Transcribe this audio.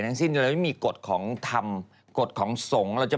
คนยุโรปก็แก้